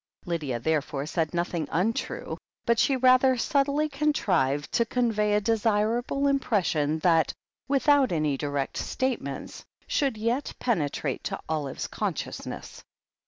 Lydia, therefore, said nothing untrue, but she rather subtly contrived to convey a desirable impression that, without any direct statements, should yet penetrate to Olive's consciousness.